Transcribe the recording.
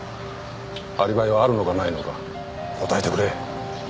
アリバイはあるのかないのか答えてくれ！